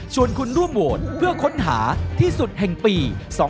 คุณร่วมโหวตเพื่อค้นหาที่สุดแห่งปี๒๕๖